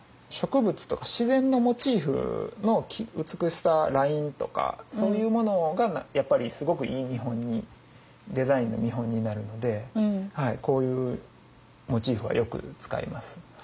植物とか自然のモチーフの美しさラインとかそういうものがやっぱりすごくいい見本にデザインの見本になるのでこういうモチーフはよく使います。